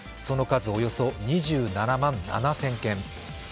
その数およそ２７万７０００件。